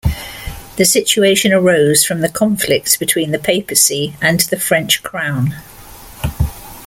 The situation arose from the conflict between the papacy and the French crown.